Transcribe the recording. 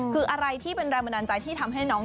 คืออะไรที่เป็นแรงบันดาลใจที่ทำให้น้อง